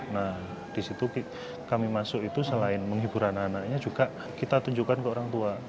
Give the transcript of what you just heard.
nah disitu kami masuk itu selain menghibur anak anaknya juga kita tunjukkan ke orang tua